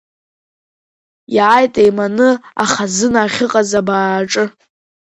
Иааит еиманы ахазына ахьыҟаз абааҿы.